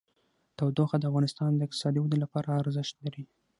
تودوخه د افغانستان د اقتصادي ودې لپاره ارزښت لري.